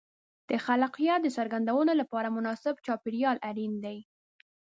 د خلاقیت د څرګندولو لپاره مناسب چاپېریال اړین دی.